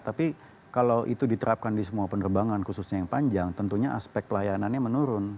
tapi kalau itu diterapkan di semua penerbangan khususnya yang panjang tentunya aspek pelayanannya menurun